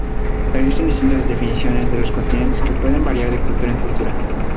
Existen distintas definiciones de los continentes que pueden variar de cultura en cultura.